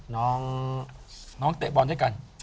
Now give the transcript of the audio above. น้องน้องเตะบอลด้วยกัน